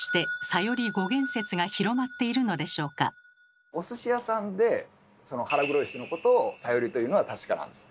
ではおすし屋さんでその腹黒い人のことを「サヨリ」と言うのは確かなんです。